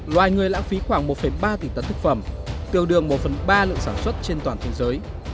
loài người lãng phí khoảng một ba tỉ tấn thực phẩm tiêu đường một ba lượng sản xuất trên toàn thế giới